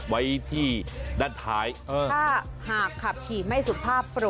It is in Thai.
วิทยาลัยศาสตร์อัศวิทยาลัยศาสตร์